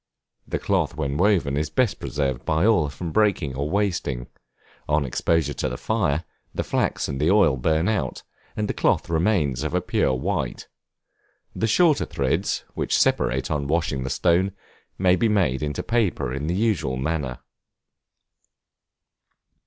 The cloth when woven is best preserved by oil from breaking or wasting; on exposure to the fire, the flax and the oil burn out, and the cloth remains of a pure white. The shorter threads, which separate on washing the stone, may be made into paper in the usual manner.